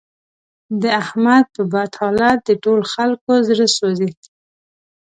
د احمد په بد حالت د ټول خکلو زړه سوځي.